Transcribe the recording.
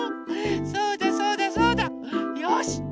そうだそうだそうだ。よし！